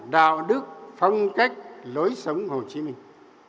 đạo đức phong cách lối sống hồ chí minh